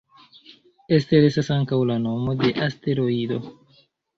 Ester estas ankaŭ la nomo de asteroido.